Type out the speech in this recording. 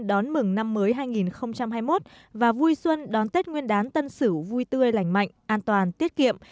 đón mừng năm mới hai nghìn hai mươi một và vui xuân đón tết nguyên đán tân sửu vui tươi lành mạnh an toàn tiết kiệm